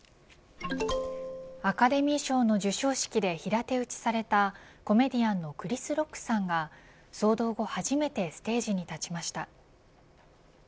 アカデミー賞の授賞式で平手打ちされたコメディアンのクリス・ロックさんが騒動後、初めてステージに立ちました。